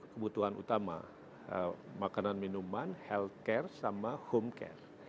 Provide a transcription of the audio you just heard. kebutuhan utama makanan minuman health care sama home care